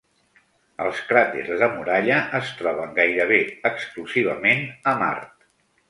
Els cràters de muralla es troben gairebé exclusivament a Mart.